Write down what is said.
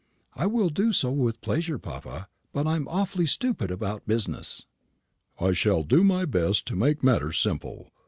"I will do so with pleasure, papa, but I am awfully stupid about business." "I shall do my best to make matters simple.